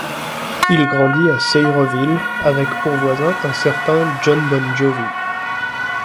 Il grandit à Sayreville avec pour voisin un certain Jon Bon Jovi.